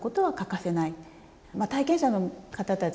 体験者の方たち